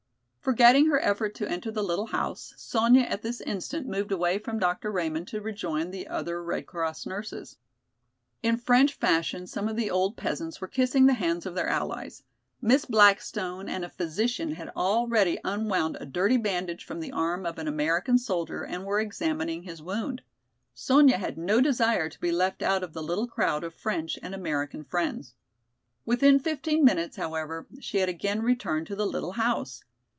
Forgetting her effort to enter the little house, Sonya at this instant moved away from Dr. Raymond to rejoin the other Red Cross nurses. In French fashion some of the old peasants were kissing the hands of their allies. Miss Blackstone and a physician had already unwound a dirty bandage from the arm of an American soldier and were examining his wound. Sonya had no desire to be left out of the little crowd of French and American friends. Within fifteen minutes, however, she had again returned to the little house.